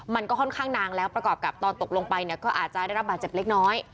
มันก็ค่อนข้างนานแล้วประกอบกับตอนตกลงไปเนี่ยก็อาจจะได้รับบาดเจ็บเล็กน้อย